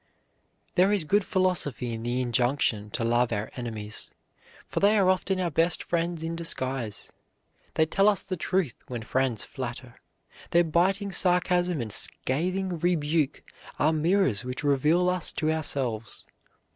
There is good philosophy in the injunction to love our enemies, for they are often our best friends in disguise. They tell us the truth when friends flatter. Their biting sarcasm and scathing rebuke are mirrors which reveal us to ourselves.